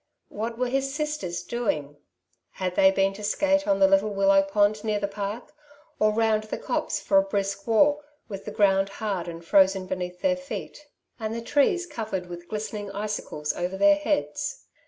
What were his sisters doing ? had they been to skate on the little willow pond near the park, or Toond the copse for a brisk walk, with the ground Iiard and frozen beneaili their feet, and the trees covered with glistening icicles over their heads